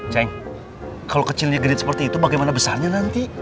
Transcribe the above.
ceng kalau kecilnya grid seperti itu bagaimana besarnya nanti